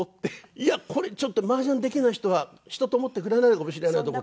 いやこれちょっと麻雀できない人は人と思ってくれないのかもしれないと思って。